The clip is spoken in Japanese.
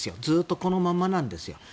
ずっとこのままなんです。